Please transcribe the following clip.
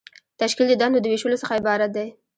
تشکیل د دندو د ویشلو څخه عبارت دی.